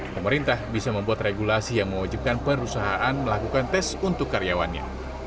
pemerintah bisa membuat regulasi yang mewajibkan perusahaan melakukan tes untuk karyawannya